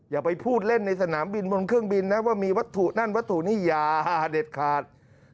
อย่าไปพูดเล่นในสนามบินบนเครื่องบินนะว่ามีวัตถุนั่นวัตถุนี่อย่าหาเด็ดขาด